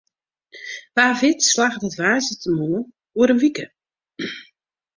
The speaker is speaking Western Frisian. Wa wit slagget it woansdeitemoarn oer in wike.